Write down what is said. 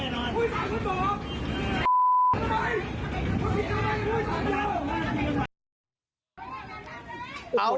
เฦ่อะไรเพื่อนอยู่